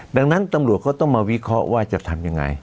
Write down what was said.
ดังนั้นตำรวจก็ต้องมาวิเคราะห์ว่าจะทำยังไง